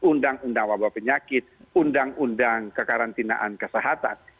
undang undang wabah penyakit undang undang kekarantinaan kesehatan